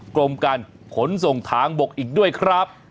กรมการขนส่งทางบกอีกด้วยครับ